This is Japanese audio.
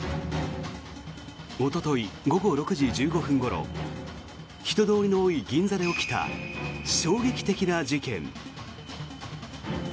おととい午後６時１５分ごろ人通りの多い銀座で起きた衝撃的な事件。